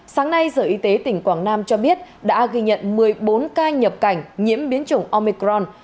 sáng nay sở y tế tỉnh quảng nam cho biết đã ghi nhận một mươi bốn ca nhập cảnh nhiễm biến chủng omicron